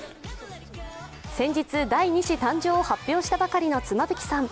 先日、第２子誕生を発表したばかりの妻夫木さん。